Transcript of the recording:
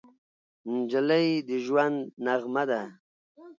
نجلۍ د ژونده نغمه ده.